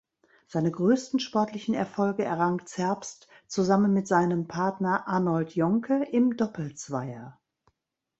Seine größten sportlichen Erfolge errang Zerbst zusammen mit seinem Partner Arnold Jonke im Doppelzweier.